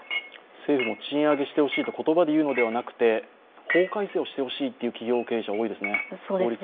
政府も賃上げしてほしいと言葉で言うのではなくて法改正をしてほしいという企業経営者は多いですね。